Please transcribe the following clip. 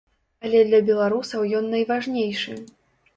Але для беларусаў ён найважнейшы.